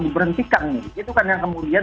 diberhentikan itu kan yang kemudian